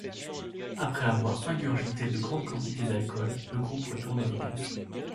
Après avoir ingurgité de grandes quantités d’alcool, le groupe retourne au village.